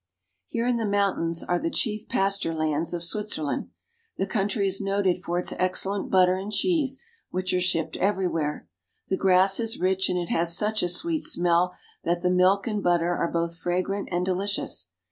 Here in the mountains are the chief pasture lands of Switzerland. The country is noted for its excellent butter and cheese, which are shipped everywhere. The grass is rich, and it has such a sweet smell that the milk and butter are both fragrant and delicious.